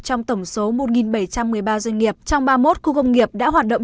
trong tổng số một bảy trăm một mươi ba doanh nghiệp trong ba mươi một khu công nghiệp đã hoạt động